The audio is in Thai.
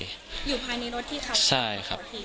อยู่ภายในรถที่เขาใช่ครับ